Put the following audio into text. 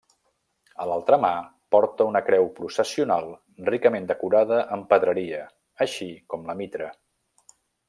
A l'altra mà porta una creu processional ricament decorada amb pedreria, així com la mitra.